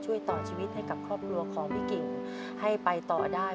ต่อชีวิตให้กับครอบครัวของพี่กิ่งให้ไปต่อได้